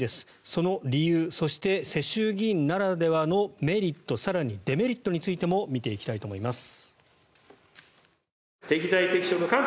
その理由そして世襲議員ならではのメリット更にデメリットについても見ていきたいと思います。